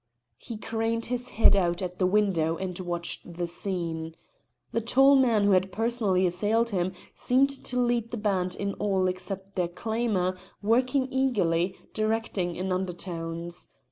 He craned his head out at the Window and watched the scene. The tall man who had personally assailed him seemed to lead the band in all except their clamour, working eagerly, directing in undertones.